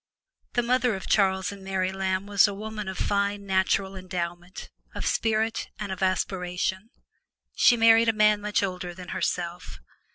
The mother of Charles and Mary Lamb was a woman of fine natural endowment, of spirit and of aspiration. She married a man much older than herself.